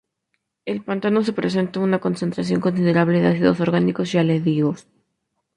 En el pantano se presentan una concentración considerable de ácidos orgánicos y aldehídos.